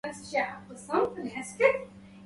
سبحان من خلق العميان من نكد